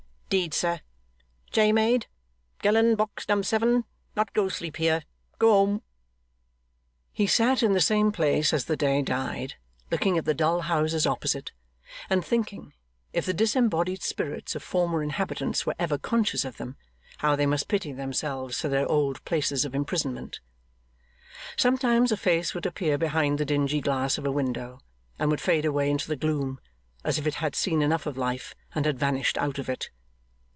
'Deed, sir? Chaymaid! Gelen box num seven, not go sleep here, gome.' He sat in the same place as the day died, looking at the dull houses opposite, and thinking, if the disembodied spirits of former inhabitants were ever conscious of them, how they must pity themselves for their old places of imprisonment. Sometimes a face would appear behind the dingy glass of a window, and would fade away into the gloom as if it had seen enough of life and had vanished out of it.